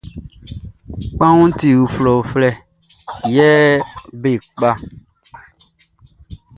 Kpanwunʼn ti uflɛuflɛ, yɛ be kpa.